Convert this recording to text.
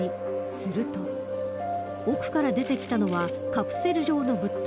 すると奥から出てきたのはカプセル状の物体